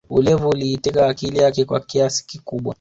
Ulevi uliiteka akili yake kwa kiasi kikubwa